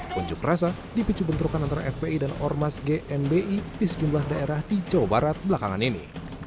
kunjuk rasa dipicu bentrokan antara fpi dan ormas gnbi di sejumlah daerah di jawa barat belakangan ini